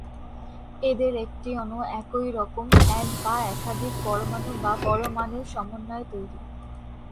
এদের একটি অণু একই রকম এক বা একাধিক পরমাণু/পরমাণুর সমন্বয়ে তৈরি।